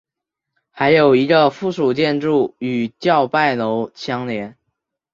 还有一个附属建筑与叫拜楼相连。